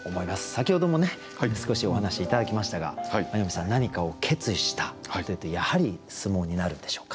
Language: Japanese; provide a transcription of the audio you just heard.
先ほどもね少しお話し頂きましたが舞の海さん何かを決意したというとやはり相撲になるんでしょうか？